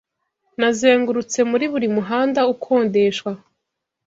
Nazengurutse muri buri muhanda ukodeshwa